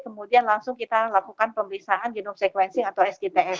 kemudian langsung kita lakukan pemeriksaan genom sequencing atau sgtf